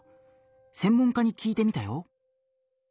専門家に聞いてみたよ。